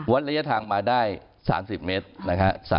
ระยะทางมาได้๓๐เมตรนะฮะ